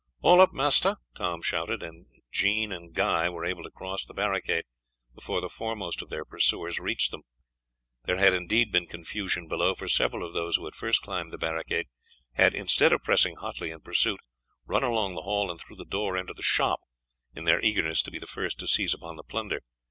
"All up, master!" Tom shouted, and Jean and Guy were able to cross the barricade before the foremost of their pursuers reached them. There had indeed been confusion below, for several of those who had first climbed the barricade had, instead of pressing hotly in pursuit, run along the hall and through the door into the shop, in their eagerness to be the first to seize upon the plunder.